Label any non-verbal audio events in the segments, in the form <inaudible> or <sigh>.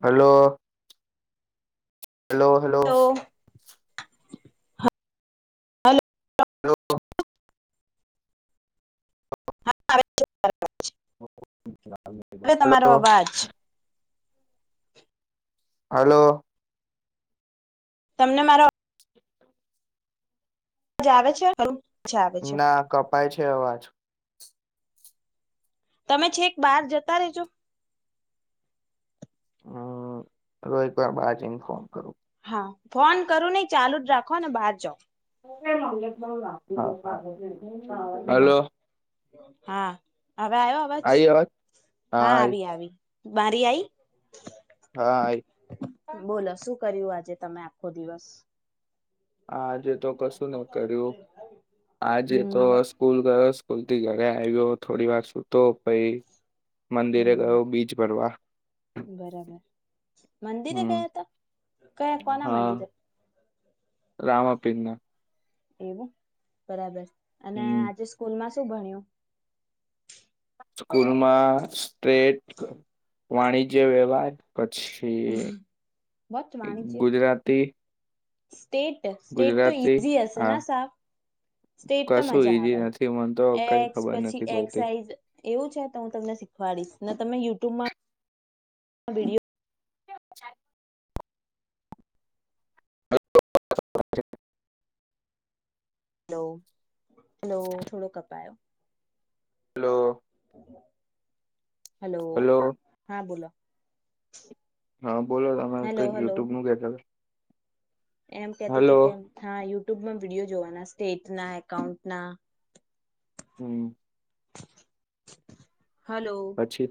Hello hello hello <inaudible> <inaudible> હવે તમારો hello અવાજ હલો તમને મારો મજા આવે છે અચ્છા આવે છે ના કપાય છે અવાજ તમે છેક બહાર જતા રેજો હ રો એકવાર બાદ ઇન્ફોર્મ કરું હા ફોન કરું નઈ ચાલુ જ રાખો ને બહાર જાાવ <inaudible> <inaudible> હમ હલો હા હવે આવ્યો અવાજ હા આવી આવી મારીાય હા આ બોલો શું કર્યું આજે તમે આખો દિવસ આજે તો કશું ન કર્યું આજે તો હમ સ્કૂલ ગયો સ્કૂલ થી ઘરે આવ્યો થોડી વાર સુતો પાઈ હમ બરાબર મંદિરે હમ ગયા હતા કયા કોના મંદિરે રામાપિ એવું બરાબર અને હમ આજે સ્કૂલ માં શું ભણ્યું સ્કૂલમાં સટ વાણિજ્ય વ્યવહાર છે વટ વાણિજ્ય ગુજરાતી સ્ટેટ સ્ટેટ તો ગુજરાતી ઈઝી હશે હા ના સાફ સ્ટેટ તો કશું મજા ઈઝી આવે નથી મને તો કઈ એક્સ ખબર પછી નથી એક્ પડતી સાઇઝ એવું છે તો હું તમને શીખવાડીશ ને તમે યુટ્યુબમાં વિડી છા હલો હલો થોડો કપાયો હલો હેલો હલો હા બોલો <inaudible> હા બોલો તમે હલો કઈ હલો યુટ્યુબ નું કેતા. એમ હતા કેતી ત હલો કેમ હા યટ્યુબમાં વિડીયો જોવાના સ્ટેટના એકાઉન્ટના. હમ. હલો પછી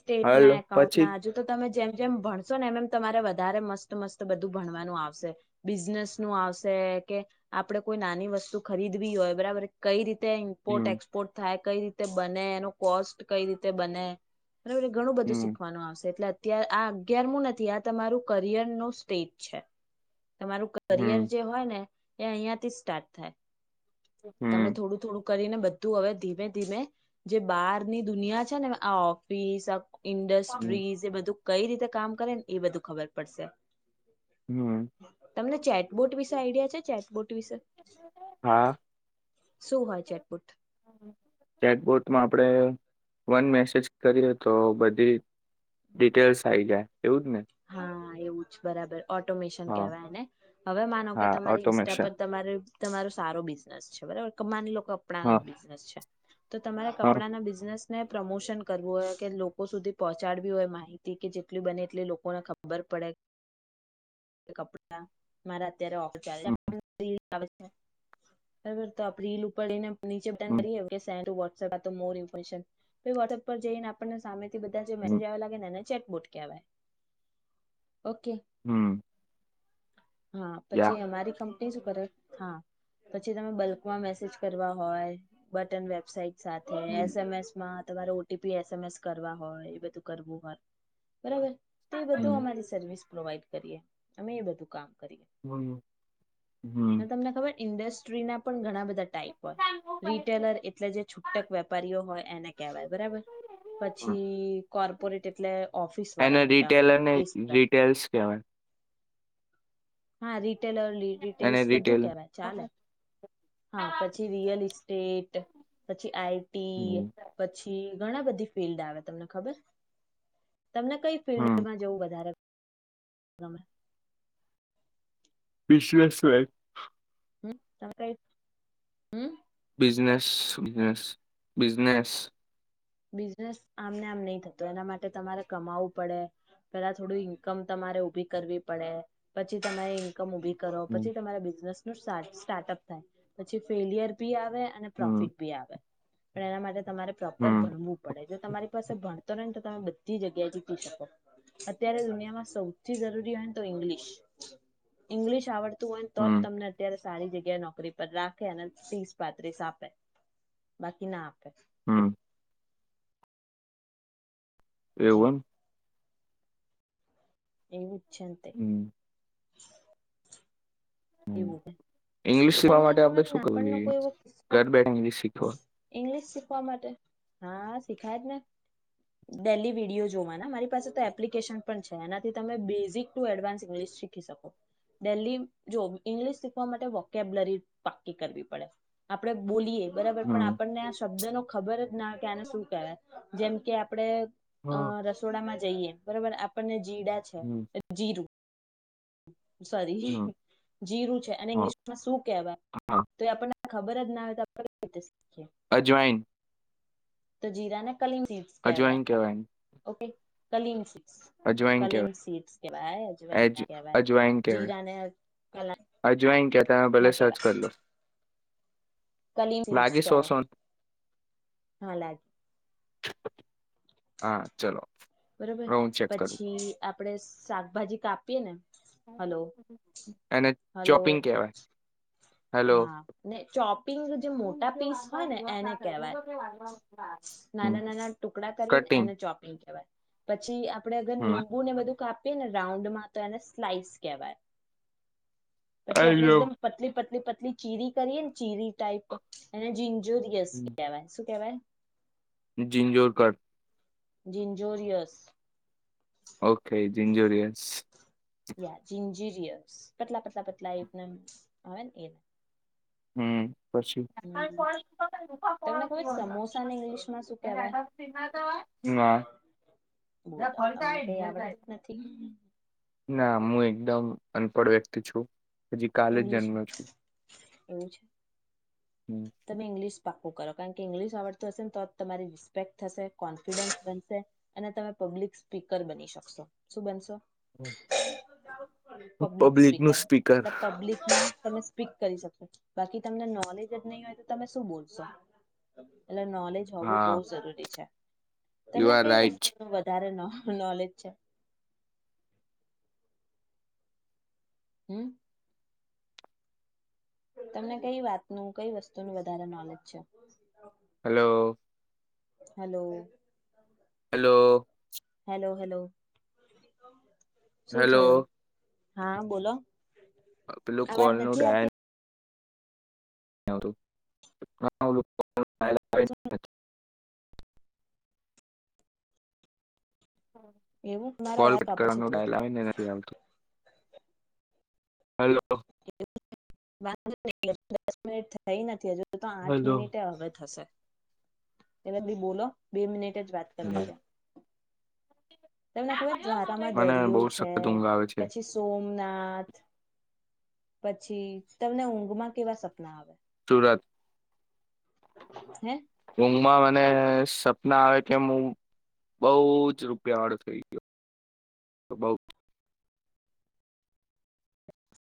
સ્ટેટ હલો ના એકાઉન્ટ પછી ના હજુ તો તમે જેમ જેમ ભણશો ને એમ એમ તમારે વધારે મસ્ત મસ્ત બધું ભણવાનું આવશે બિઝનેસ નું આવશે કે આપડે કોઈ નાની વસ્તુ ખરીદવી હોય બરાબર કઈ રીતે મ્પોર્ટ હમ એક્સપોર્ટ થાય કઈ રીતે બને એનો કોસ્ટ કઈ રીતે બને. એને ઘણું બધું હમ શીખવાનું આવશે એટલે અ્યારે આ અગિયારમું નથી આ તમારું કરિયર નો સ્ટેજ છે. તમારું કરિયર હમ જે હોય ને. એ અહિયાં થી સ્ટાર્ટ થાય. તમે હમ થોડું થોડું. કરીને બધું હવે ધીમે ધીમે જે બહારની દુનિયા છે ને આ ઓફિસ હમ ઇન્ડસ્ટ્રીઝ એ બધું કઈ રીતે કામ કરે ને એ બધું ખબર પડશે. હમ્મ. તમને ચેટબોટ વિશે આઈડિયા છે ચેટબોટ નિચે. ચેક બોટમાં આપડણે વન મેસેજ કરીએ, તો બધી ડિટેલ્સ આ આવી જાય. એવું જ ને. હા એવું જ બરાબર. ઓટોમેશન હા કહેવાયને હવે માનો કે હા તમારી ઇસ્ટ્ટા ઓટોમેશન પર તમા તમારો સારો બિઝનેસ છે, બરાબર માની લો કે કપણાનો હા જ બિઝનેસ છે. તો તમારા હા કપડાં ના બિઝનેસ ને પ્રમોશન કરવું હોય કે લોકો સુધી પહોંચાડવી હોય, માહિતી કે જેટલી બને એટલી લોકો કોને ખબર પડેપડા મારા અત્યારે હમ <unintelligible> બરાબર તો આપ રીલ ઉપડીને <unintelligible> વોટ્સપ પર જઈને આપને સામે બધ હમ મેસેજવા લાગે ને ચેટ બોટ કવાય ઓકે હમ હા યા પછી અમારી ે હા પછી તમે બલ્કમાં મેસેજ કરવા હોય બટન વેબસાઇટ સાથે હમ એસ એમ એસ માં તમારે ઓટીપી એસ એમ એસ કરવા હોય, એ બધું કરવું હોય બરાબર તે બધું અમારી સર્વિસ પ્રોવાઈડ કરીએ અમે એ બધું કામ કરીએ હમ્મ હમ્મ ઇન્ડસ્ટ્રી ના પણ ઘણા બધા ટ હોય રીટેલર એટલે જે છુટક વેપારીઓ હોય, એને કેહેવાય બરાબર પછી કોર્પોરેટ એટલે ઓફિસ વાળા મોટા રિટેલર ને એ સિવાય. રિટેલસ કહેવાય હા રી રટે એને બધું રિટેલ કેવાય ચાલે હા પછી રયલ સ્ટેટ સચી આઈ હમ પછી ઘણા બધી ફિલ્ડ આવે તમને ખબર તમને કઈ હમ ફિલ્ડમાં જવું વધારે એમે બશસય હમ તણ કઈ હમ બિઝનેસ બિઝનેસ બિઝનેસ બિઝનેસ આમને આમ નહી થતો એના માટે તમારે કમાવવું પડે પેલા થોડું ઈન્કમ તમારે ઉભી કરવી પડે પછી તમારે ઇન્કમ ઉભી કરો હમ પછી તમારા બિઝનેસ સ્ટાર્ટઅપ થાય પછી ફેલિયર બી આવે આવે અને હમ પ્રોફિટ ભી આવે પણ એના માટે તમારે હમ ભણવું પડે જો તમારી પાસે ભણતર હોય ને તો તમે બધી જગ્યાએ જીતી શકો અત્યારે દુનિયામાં સૌથી જરૂરી હોય ને તો ઇંગ્લિશ ઇંગ્લિશ આવડ હોય તો જ હમ તમને અત્યારે સારી જગ્યાએ નોકરી પર રાખે અને ત્રીસ પાત્રીસ આપે બાકી ના આપે હમ એવુ જી એમ એવી ઉછ્યંત એમ હમ હમ. એવું ઇંગ્લિશ શીખવા તમને માટે આપડે તમારે શું કરવું નાપણનો જોઈએ કોઈ એવો કિસ્સો ઘર બેઠા ઇંગ્લિશ શીખવા ઇંગ્લિશ હા શીખાય જ ને ડેલી વિડીયો જોવા મારી પાસે તો એપ્લિકેશન પણ છે એનાથી તમે બેઝિક ટુ એડવાન્સ ઇંગ્લિશ શીખી શકો ડે જો ઇંગ્લિશ શીખવા માટે વોકેબલરી પાકી કરવી પડે આપડ બોલીએ બરાબર પણ હમ આપણને આ શબ્દ નો ખબર જ ના કે આને શું કહેવાય જેમ કે આપડે અ રસોડામાં બરોબર આપણને જીડા છે હમ જીરું હ સારી હમ જીરુ છે અને હા ઇંગ્લિશમાં શું કહેવાય હા તો એ આપને ખબર જ ના આવે તો આપ અજવાૈન તો જીરા નાને કલીી કેવાય કહેવાય ઓકે કલીંગસી અજવાઈન કલિંગ કહેવાય સિડ કેવા અજ કેવા જીરાને કલા અજવાઇન તમે ભલે સર્ચ કર લો કલી લાગી સો કેવા સો હા લાગે હા ચલોો બરોબર પ પછી આપણેે શાકભાજી કાપીએ ને હલો એને હલો ચોપિંગ કહેવાય હેલો હા ને ચોપિંગ જે મોટા પીસ હોય ને એને કેહેવાય હમ નાના નાના ટુકડા કરીને કટિંગ એને ચોપિંગ કેહેવાય પછી આપડે અગર હમ ીંબુને બધું કાપ રાઉન્ડમાં તો એને સ્લાઈસ કહેવાય પછી આપડે આયો એકદમ પતલી પતલી પ એટ ચીરી કરીએ ને ચીરી ટાઈપ જોરયસ કવાય શું કેવાય જઝિંજોર કર જિંજોરિયસ ઓકે જન્જોરિયસ યા જિન્જીરિયસ પતલા પતલા પતલા એમ આવે ને એ હમ્મ. ના હમ તમને ખબર સમોસા ને ઇંગ્લિશમાં શું કહેવાય? હ બોલો તમને કઈ આવડતું જ નથી એકદમ અનપડ વ્ય પ છુ. હજી કાલે જ ઇંગ્લિશમાં જન્મ છું. એવું છે. તમે ઇંગ્લિશ પા કરો કારણ કે ઈંગ્લિશ આવડત હશે ને તો તમારી રિસ્પેક્ટ થશે કોન્ફિડન્સ બનશે અને તમે પબ્લિક સ્પીકર બની શકશો શું બનશો. પબ્લિક નું સ્પીકર પબ્લિકની તમે સ્પીક કરી શકો બાકી તમને નોલેજ જ નહીં હોય તો તમે શું બોલશો. એટલે નોલેજ હોવું બહવ હા જરૂરી છે. યુ તમને આર કઈ રાઈટ વસ્તુ ન વધારે ન નલેજ છે. હમ્મ. તમને કઈ વાતનુંું કઈ વસ્તુ નું વધારે નોલેજ છે. Hello. Hello. Hello. Hello hello. શું હેલો. થયું હા બોલો અવાજ પ્લુકોલનું નથી ડાયન આવતી <unintelligible> એવું મારો કોલ અવાજ કટ કપાય છે. કરવાનો ધોડો ડાયલ આવે ને ઘોડો નથી આવતું હલો. <unintelligible> દસ મિનિટ થઈ નથી હજુ. તો આઠ હલો મિનિટે હવે થશે. એલે ભી બોલો બે મિનિટ જાતે વાત કરવાનું છે. તમને ખબર દ્વારાામાં મને બહુ દરિયો છે સખત ઊંઘ આવે છે પછી સોમનાથ પછી તમને ઊંઘમાં કેવા સપના આવે ત હે ઊંઘમાં મને સપના આવે કે હું બઉ જ રૂપિયા વાળો થઈ ગયો બહુ જ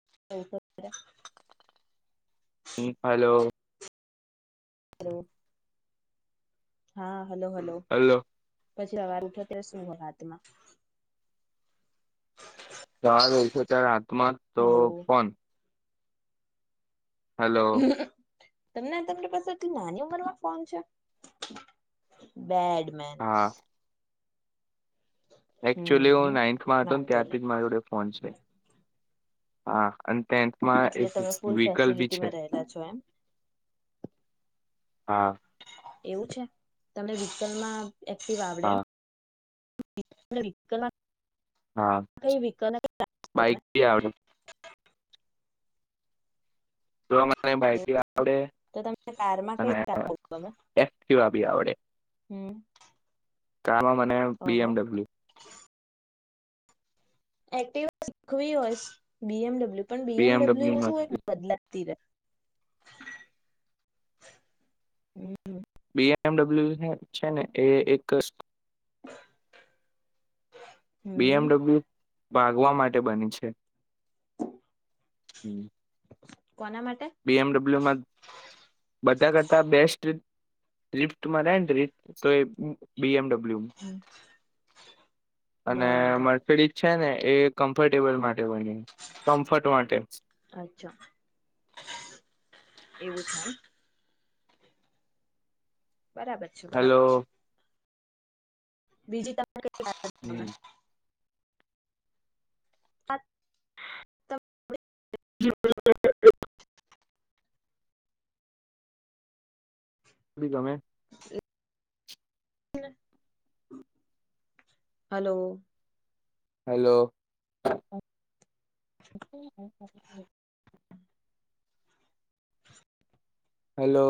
<unintelligible> હમ હલો હું હા હલો હલો પછી હવાર ઉઠુ ત્યારે શું હોય હાથમાં સાર હોશો ત્યારે હાથમાં તો હલો પણન હલો તમને તમામરી પાસે એટલી નાની ઉંમરમાં ફોન છે બેડ મેનસ એકક્ચુઅલી હું હમ નાઈન્થમાં હતો ને વાંધો ત્યારથી નહી જ મારી જોડે ફોન છે હા અને ટેન્થમાં એટલે એક તમે ફૂલ વ્હકલ ભી છે ફેસિલિટીમાં રહેલા છો એમ હા એવું છે તમને વિકલમાં એક્ટિવ આવડે એમ હા થી વિકલ હા મા કઈ વિકલ <inaudible> <unintelligible> તો અમારે બાઈકભી આવડે તો તમને કારમાં કઈ અને કાર ગમે એકટીવા પન આવડે <inaudible> મને બી ઓહો એમડબલ્યુ એક્ટ ખુ હોસ બી એમડબ્લ્યુ પણ બીએમડબ્લ્યુ બીએમડબલ્યુ શું એક બદલા ત હમ બી એમડબલ્યુ છે ને એ એક બી હમ એમડબ્લ્યુ ભાગવા માટે બની છે હમ બ બી એમડબલ્યુમાં બધા કરતા બેસ્ટ લિફ્ટમાંરે ને લિફ્ટ તો એ બી એમડબલુ હમ અને મફેડી છે ને એ કમ્ફર્ટેબલ માટે કમફર્ટ માટે અચ્છા એવું થાય બરાબર છે હેલો બરાબર છ બીજી ત હમ <unintelligible> <unintelligible> <unintelligible> હલો હેલો <unintelligible> <unintelligible> હેલો